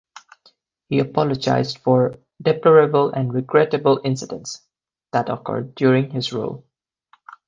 He apologized for "deplorable and regrettable incidents" that occurred during his rule.